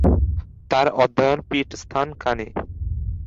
তার অধ্যায়ন পীঠস্থান কাণী।